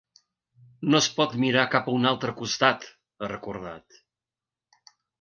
No es pot mirar cap a un altre costat , ha recordat.